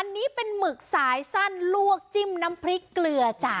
อันนี้เป็นหมึกสายสั้นลวกจิ้มน้ำพริกเกลือจ้ะ